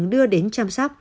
đưa đến chăm sác